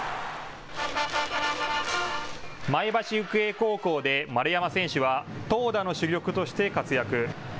前橋育英高校で丸山選手は投打の主力として活躍。